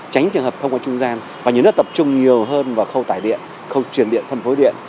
tránh trường hợp thông qua trung gian và nhớ tập trung nhiều hơn vào khâu tải điện khâu truyền điện phân phối điện